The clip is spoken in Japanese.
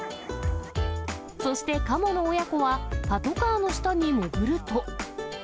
そしてカモの親子は、パトカーの下に潜ると。